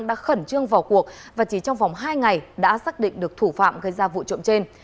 đã khẩn trương vào cuộc và chỉ trong vòng hai ngày đã xác định được thủ phạm gây ra vụ trộm trên